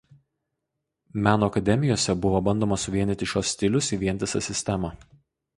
Meno akademijose buvo bandoma suvienyti šiuos stilius į vientisą sistemą.